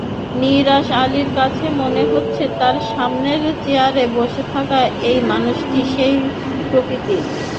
নিসার আলির কাছে মনে হচ্ছে তাঁর সামনের চেয়ারে বসে থাকা এই মানুষটি সেই প্রকৃতির।